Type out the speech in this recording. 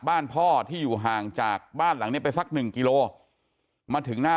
บ้านพ่อที่อยู่ห่างจากบ้านหลังนี้ไปสักหนึ่งกิโลมาถึงหน้า